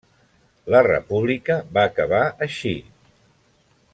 La república va acabar així.